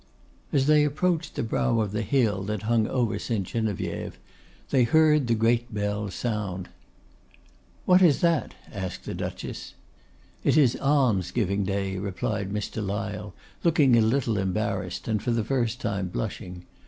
As they approached the brow of the hill that hung over St. Geneviève, they heard the great bell sound. 'What is that?' asked the Duchess. 'It is almsgiving day,' replied Mr. Lyle, looking a little embarrassed, and for the first time blushing.